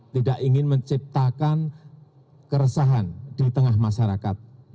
tidak ingin menciptakan keresahan di tengah masyarakat